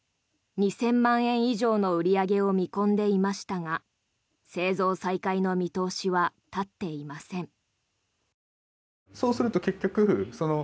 ２０００万円以上の売り上げを見込んでいましたが製造再開の見通しは立っていません。